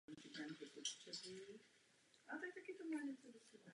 Je-li potřeba, vezměte zavděk s Nice.